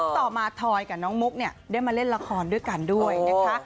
ต่อมาทอยกับน้องมุกเนี่ยได้มาเล่นละครด้วยกันด้วยนะคะ